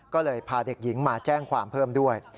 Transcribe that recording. ก็เลยพาเด็กหญิงมาแจ้งความเพิ่มด้วย